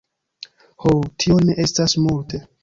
Ho, tio ne estas multe.